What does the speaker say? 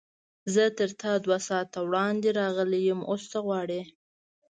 زه تر تا دوه ساعته وړاندې راغلی یم، اوس څه غواړې؟